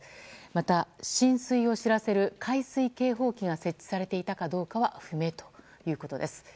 また、浸水を知らせる海水警報機が設置されていたかどうかは不明ということです。